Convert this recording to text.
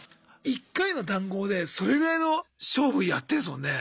１回の談合でそれぐらいの勝負やってんですもんね。